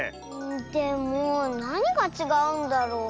でもなにがちがうんだろう？